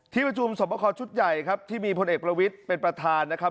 ทีประจวบสวบอครชุดใหญ่ครับที่มีพลเอกประวิตเป็นประธานนะครับ